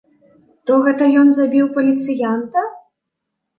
То гэта ён забіў паліцыянта?